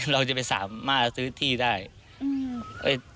เราจะไปสามารถซื้อที่ได้อืม